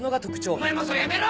お前もうそれやめろ！